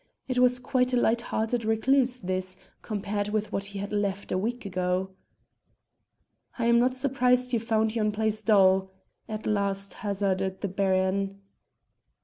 It was quite a light hearted recluse this, compared with that he had left a week ago. "I am not surprised you found yon place dull," at the last hazarded the Baron.